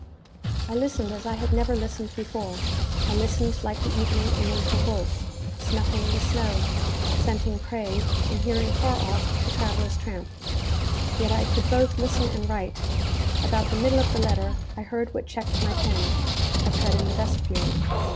I listened as I had never listened before; I listened like the evening and winter wolf, snuffing the snow, scenting prey, and hearing far off the traveller's tramp. Yet I could both listen and write. About the middle of the letter I heard what checked my pen a tread in the vestibule.